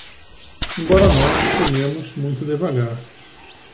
Embora nós comemos muito devagar